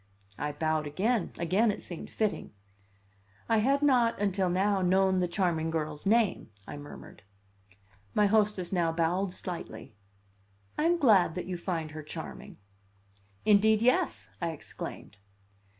I bowed again; again it seemed fitting. "I had not, until now, known the charming girl's name," I murmured. My hostess now bowed slightly. "I am glad that you find her charming." "Indeed, yes!" I exclaimed.